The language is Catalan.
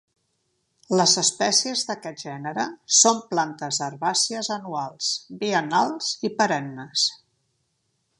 Les espècies d'aquest gènere són plantes herbàcies anuals, biennals i perennes.